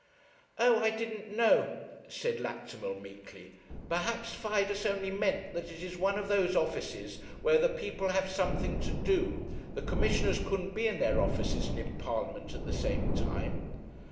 'Oh, I didn't know,' said Lactimel, meekly. 'Perhaps Fidus only meant that as it is one of those offices where the people have something to do, the commissioners couldn't be in their offices and in Parliament at the same time.'